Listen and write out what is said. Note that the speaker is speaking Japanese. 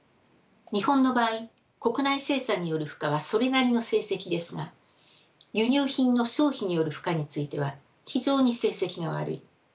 日本の場合国内生産による負荷はそれなりの成績ですが輸入品の消費による負荷については非常に成績が悪い。